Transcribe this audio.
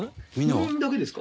４人だけですか？